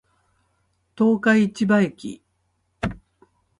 十日市場駅